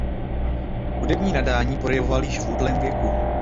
Hudební nadání projevoval již v útlém věku.